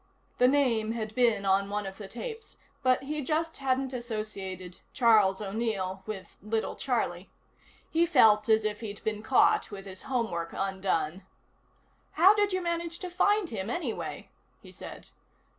The name had been on one of the tapes, but he just hadn't associated "Charles O'Neill" with "Little Charlie." He felt as if he'd been caught with his homework undone. "How did you manage to find him, anyway?" he said.